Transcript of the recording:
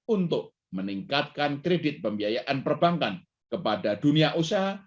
untuk meningkatkan kredit pembiayaan perbankan kepada dunia usaha